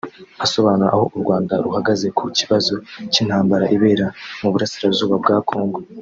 Asobanura aho u Rwanda ruhagaze ku kibazo cy’intambara ibera mu burasirazuba bwa Kongo